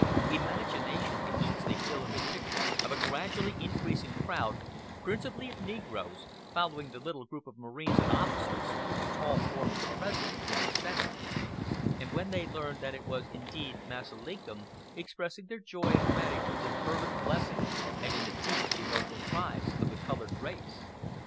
Imagination can easily fill in the picture of a gradually increasing crowd, principally of negroes, following the little group of marines and officers with the tall form of the President in its centre; and, when they learned that it was indeed "Massa Lincum," expressing their joy and gratitude in fervent blessings and in the deep emotional cries of the colored race.